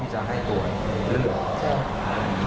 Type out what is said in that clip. แต่แจ้งพอละกอดก็ต้องหลักสภาพ